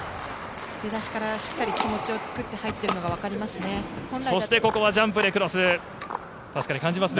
出だしからしっかり気持ちを作って入っているのがわかりますね。